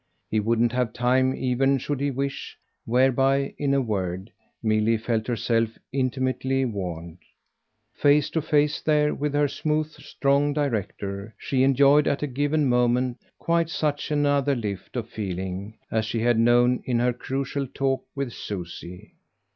He wouldn't have time even should he wish; whereby, in a word, Milly felt herself intimately warned. Face to face there with her smooth strong director, she enjoyed at a given moment quite such another lift of feeling as she had known in her crucial talk with Susie.